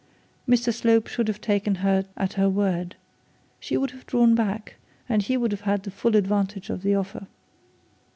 Mr Slope should have taken her at her word. She would have drawn back, and he would have had the full advantage of the offer.